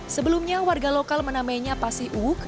sebelumnya warga lokal menamainya pasih uwuk